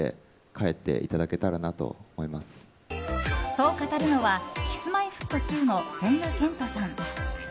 そう語るのはＫｉｓ‐Ｍｙ‐Ｆｔ２の千賀健永さん。